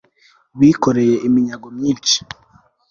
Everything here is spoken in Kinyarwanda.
bikoreye iminyago myinshi